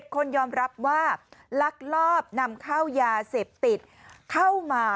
คนยอมรับว่าลักลอบนำเข้ายาเสพติดเข้ามา